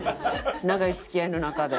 長い付き合いの中で？